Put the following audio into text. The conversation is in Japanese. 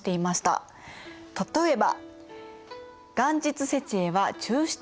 例えば。